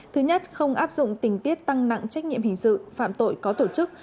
thứ nhất không áp dụng tình tiết tăng nặng trách nhiệm hình sự phạm tội có tổ chức